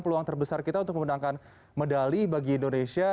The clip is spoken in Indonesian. peluang terbesar kita untuk memenangkan medali bagi indonesia